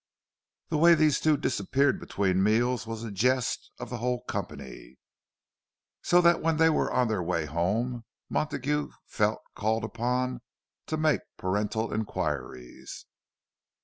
The way these two disappeared between meals was a jest of the whole company; so that when they were on their way home, Montague felt called upon to make paternal inquiries.